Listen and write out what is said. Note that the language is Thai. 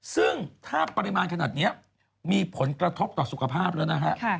ซึ่งถ้าปริมาณขนาดนี้มีผลกระทบต่อสุขภาพแล้วนะฮะ